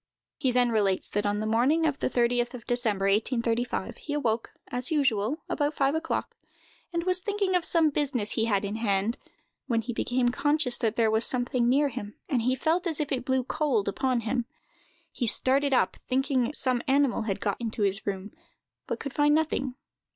He then relates that, on the morning of the 30th of December, 1835, he awoke, as usual, about five o'clock, and was thinking of some business he had in hand, when he became conscious that there was something near him, and he felt as if it blew cold upon him. He started up, thinking some animal had got into his room, but could find nothing.